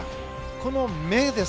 この目です。